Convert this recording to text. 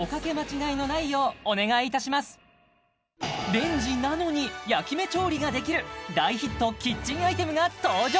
レンジなのに焼き目調理ができる大ヒットキッチンアイテムが登場・